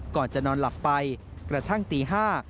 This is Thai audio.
ก่อนจะนอนหลับไปกระทั่งตี๕